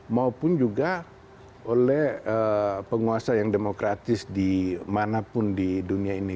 maupun juga oleh penguasa yang demokratis dimanapun di dunia ini